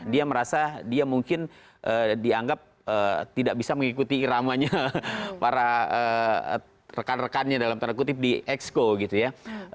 dia merasa dia mungkin dianggap tidak bisa mengikuti iramanya para rekan rekannya dalam tanda kutip di exco gitu ya